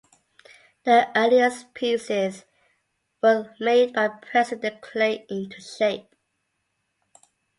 The earliest pieces were made by pressing the clay into shape.